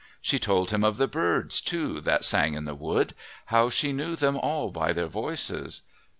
She told him of the birds, too, that sang in the wood, how she knew them all by their voices.